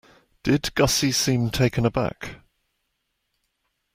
Did Gussie seem taken aback?